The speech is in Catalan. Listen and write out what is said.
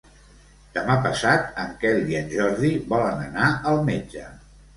Demà passat en Quel i en Jordi volen anar al metge.